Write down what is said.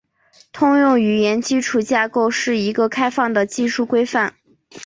通用语言基础架构是一个开放的技术规范。